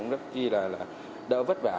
rất là đỡ vất vả